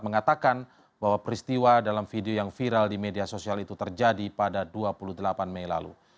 mengatakan bahwa peristiwa dalam video yang viral di media sosial itu terjadi pada dua puluh delapan mei lalu